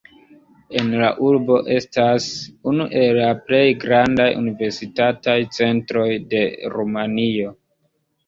En la urbo estas unu el la plej grandaj universitataj centroj de Rumanio.